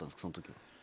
そのときは。